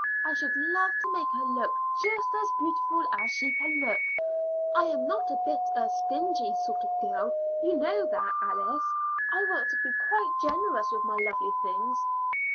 I should love to make her look just as beautiful as she can look. I am not a bit a stingy sort of girl; you know that, Alice. I want to be quite generous with my lovely things."